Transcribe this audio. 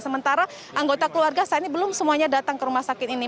sementara anggota keluarga saat ini belum semuanya datang ke rumah sakit ini